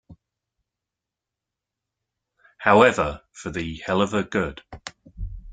However, for the Heluva Good!